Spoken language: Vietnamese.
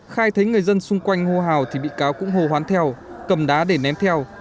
khai thấy người dân xung quanh hô hào thì bị cáo cũng hồ hoán theo cầm đá để ném theo